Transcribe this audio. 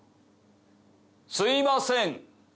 すいません！